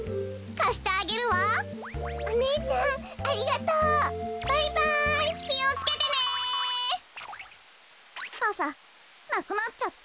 かさなくなっちゃった。